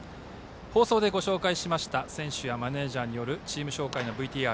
放送でご紹介しました選手やマネージャーによるチーム紹介のＶＴＲ